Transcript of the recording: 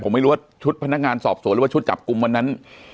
ผมไม่รู้ว่าชุดพนักงานสอบสวนหรือว่าชุดจับกลุ่มวันนั้น